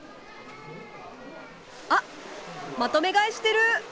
あっまとめ買いしてる。